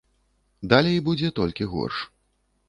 Далей будзе толькі горш.